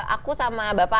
aku sama bapak